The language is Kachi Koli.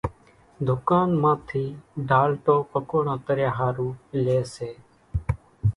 ڌُڪان مان ٿي ڍالٽو پڪوڙان تريا ۿارُو لئي سي